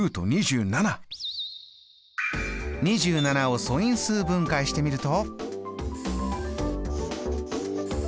２７を素因数分解してみると。